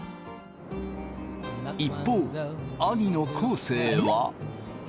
一方兄の昴生は。